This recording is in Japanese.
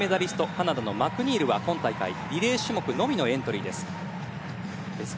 カナダのマクニールは今大会、リレー種目のみのエントリーです。